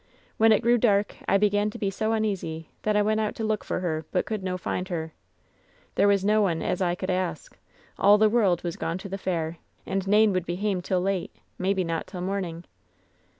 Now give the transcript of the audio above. When it grew dark I began to be so uneasy that I went out to look for her, but could no find her. There was no one as I could ask ; all the world was gone to the fair, and nane would be hame till late, maybe not till morning.